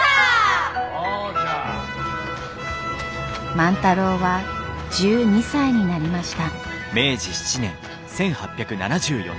万太郎は１２歳になりました。